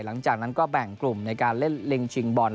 หลังจากนั้นก็แบ่งกลุ่มในการเล่นลิงชิงบอล